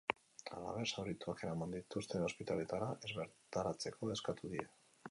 Halaber, zaurituak eraman dituzten ospitaleetara ez bertaratzeko eskatu die.